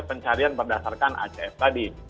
pencarian berdasarkan acs tadi